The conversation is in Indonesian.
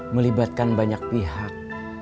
melibatkan banyak pihak